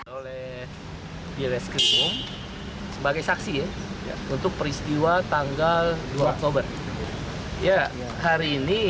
oleh treskrimumpol sebagai saksi untuk peristiwa tanggal dua oktober